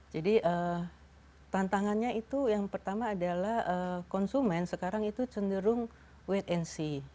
jadi tantangannya itu yang pertama adalah konsumen sekarang itu cenderung wait and see